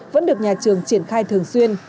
vẫn được nhà trường triển khai thường xuyên